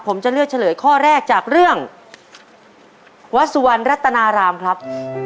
ผมจะเลือกเฉลยข้อแรกจากเรื่องวัดสุวรรณรัตนารามครับ